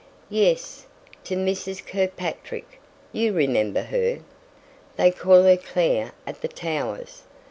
"Yes. To Mrs. Kirkpatrick you remember her? They call her Clare at the Towers.